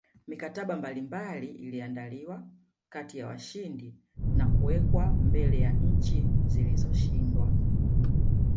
Mikataba mbalimbali iliandaliwa kati ya washindi na kuwekwa mbele ya nchi zilizoshindwa